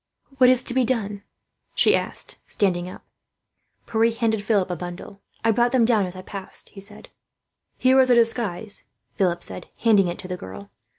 "What is to be done?" she asked, standing up. Pierre handed Philip a bundle. "I brought them down as I passed," he said. "This is a disguise," Philip said, handing it to the girl.